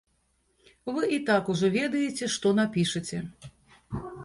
Вы і так ужо ведаеце, што напішаце.